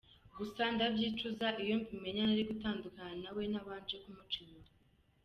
Gusa ndabyicuza, iyo mbimenya nari gutandukana nawe ntabanje kumuca inyuma.